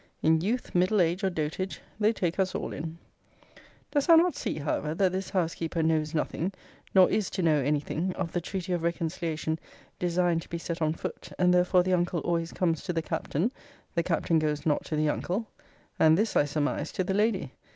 In youth, middle age, or dotage, they take us all in. Dost thou not see, however, that this housekeeper knows nothing, nor is to know any thing, of the treaty of reconciliation designed to be set on foot; and therefore the uncle always comes to the Captain, the Captain goes not to the uncle? And this I surmised to the lady.